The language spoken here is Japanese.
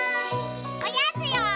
おやつよ！